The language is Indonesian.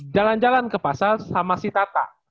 jalan jalan ke pasar sama si tata